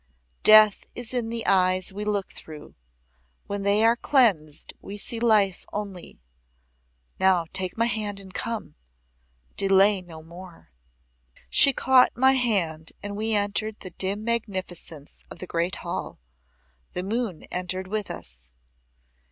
Death is in the eyes we look through when they are cleansed we see Life only. Now take my hand and come. Delay no more." She caught my hand and we entered the dim magnificence of the great hall. The moon entered with us.